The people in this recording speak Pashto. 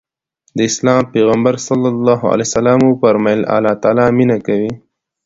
د اسلام پيغمبر ص وفرمايل الله تعالی مينه کوي.